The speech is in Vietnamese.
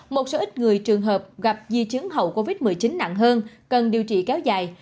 một số ít người trường hợp gặp di chứng hậu covid một mươi chín nặng hơn cần điều trị kéo dài